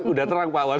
sudah terang pak was